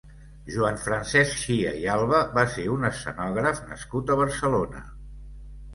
Joan Francesc Chia i Alba va ser un escenògraf nascut a Barcelona.